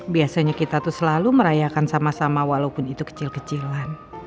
biasanya kita tuh selalu merayakan sama sama walaupun itu kecil kecilan